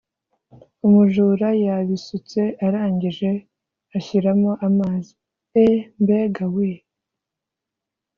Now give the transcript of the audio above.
umujura yabisutse arangije ashyiramo amazi, eeee mbega weee!!